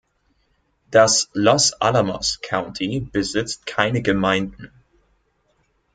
Das Los Alamos County besitzt keine Gemeinden.